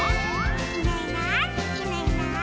「いないいないいないいない」